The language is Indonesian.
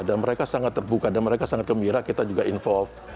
dan mereka sangat terbuka dan mereka sangat gembira kita juga involved